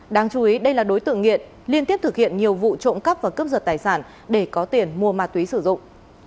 đáng chú ý đây là đối tượng nghiện liên tiếp thực hiện nhiều vụ trộm cắp và cướp giật tài sản để có tiền mua ma túy sử dụng